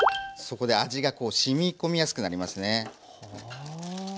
そこで味がしみこみやすくなりますね。